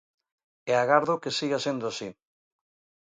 E agardo que siga sendo así.